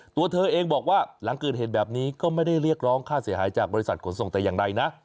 ตัวเธอเองบอกว่าหลังเกิดเหตุแบบนี้ก็ไม่ได้เรียกร้องค่าเสียหายจากบริษัทขนส่งแต่อย่างใดนะ